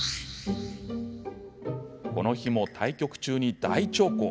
この日も対局中に大長考。